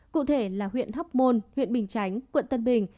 cụ thể là huyện hóc môn huyện bình chánh quận tân bình